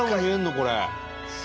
これ。